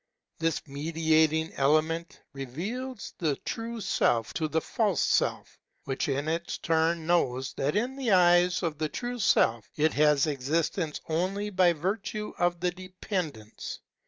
This mediating element reveals the true Self to the false Self, which in its turn knows that in the eyes of the true Self it has existence only by virtue of the dependence.